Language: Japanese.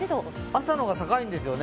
朝の方が高いんですね。